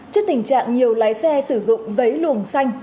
trước tình trạng nhiều lái xe sử dụng giấy luồng xanh